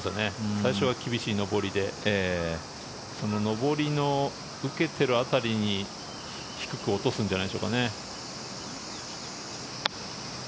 最初は厳しい上りでその上りの受けている辺りに低く落とすんじゃないでしょうかね。